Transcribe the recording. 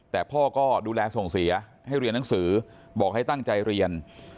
แต่พ่อก็ดูแลส่งเสียให้เรียนหนังสือบอกให้ตั้งใจเรียน